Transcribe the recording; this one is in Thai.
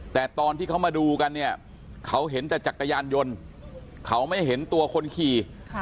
แต่ตอนที่เขามาดูกันเนี่ยเขาเห็นแต่จักรยานยนต์เขาไม่เห็นตัวคนขี่